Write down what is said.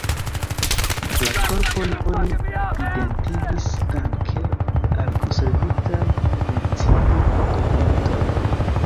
La korpon oni identigis danke al konservitaj medicinaj dokumentoj.